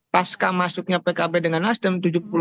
pasca masuknya pkb dengan nasdem tujuh puluh satu